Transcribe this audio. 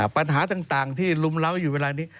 ปัญหาต่างที่ลุมเล้าอยู่เวลานี้